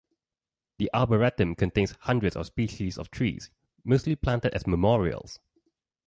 The arboretum contains hundreds of species of trees, mostly planted as memorials.